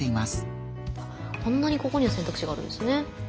こんなにここには選択肢があるんですね。